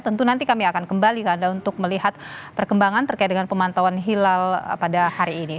tentu nanti kami akan kembali ke anda untuk melihat perkembangan terkait dengan pemantauan hilal pada hari ini